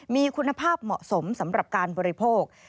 มีคุณภาพเหมาะสมสำหรับการบริโภค